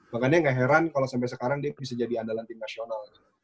makanya gak heran kalau sampai sekarang dia bisa jadi andalan tim nasional